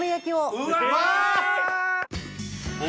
うわ！